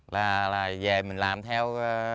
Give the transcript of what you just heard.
là về mình làm theo